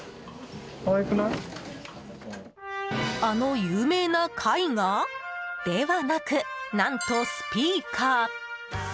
あの有名な絵画？ではなく何とスピーカー。